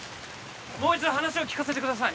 もう一度話を聞かせてください